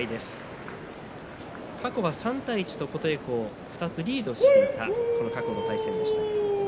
過去は３対１と琴恵光２つリードしていた過去の対戦でした。